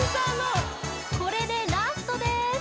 これでラストです